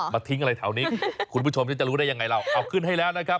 ทิ้งอะไรแถวนี้คุณผู้ชมจะรู้ได้ยังไงเราเอาขึ้นให้แล้วนะครับ